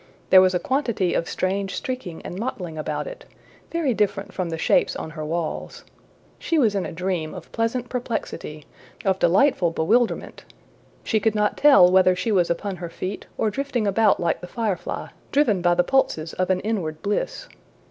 There was a quantity of strange streaking and mottling about it, very different from the shapes on her walls. She was in a dream of pleasant perplexity, of delightful bewilderment. She could not tell whether she was upon her feet or drifting about like the firefly, driven by the pulses of an inward bliss.